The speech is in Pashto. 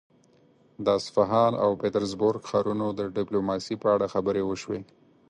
د اصفهان او پيترزبورګ ښارونو د ډيپلوماسي په اړه خبرې وشوې.